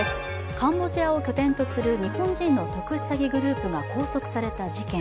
カンボジアを拠点とする日本人の特殊詐欺グループが拘束された事件。